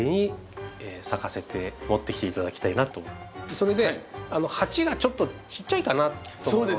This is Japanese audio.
それで鉢がちょっとちっちゃいかなと思うので。